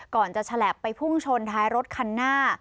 ก่อนจะฉลับไปพุ่งชนท้ายรถคันหน้า